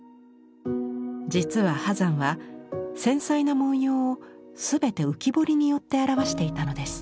実は波山は繊細な文様を全て浮き彫りによって表していたのです。